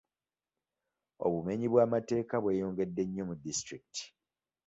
Obumenyi bw'amateeka bweyongedde nnyo mu disitulikiti.